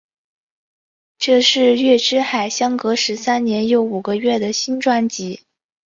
这是月之海相隔十三年又五个月的新专辑。